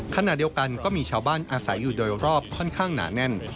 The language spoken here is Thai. ขณะเดียวกันก็มีชาวบ้านอาศัยอยู่โดยรอบค่อนข้างหนาแน่น